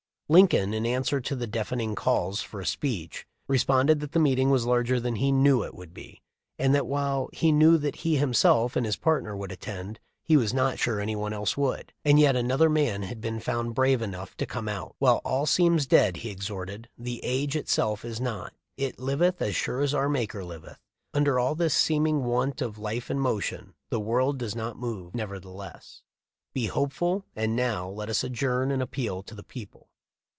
Lincoln, in answer to the "deafening calls" for a speech, responded that the meeting was larger than he knew it would be, and that while he knew that he himself and his partner would attend he was not sure anyone else would, and yet another 386 THE LIFE OF LINCOLN. man had been found brave enough to come out. "While all seems dead," he exhorted, "the age itself is not. It liveth as sure as our Maker liveth. Under all this seeming want of life and motion, the world does move nevertheless. Be hopeful, and now let us adjourn and appeal to the people."